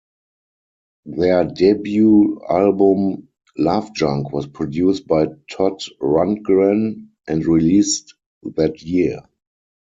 Their debut album, "Love Junk", was produced by Todd Rundgren and released that year.